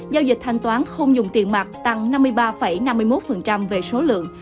giao dịch thanh toán không dùng tiền mặt tăng năm mươi ba năm mươi một về số lượng